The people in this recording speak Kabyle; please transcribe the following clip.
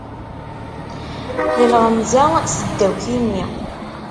D lɣemza seddaw timmi.